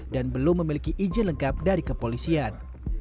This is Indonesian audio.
dan belum memiliki izin lengkap dari kepolisian